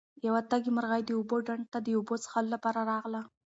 یوه تږې مرغۍ د اوبو ډنډ ته د اوبو څښلو لپاره راغله.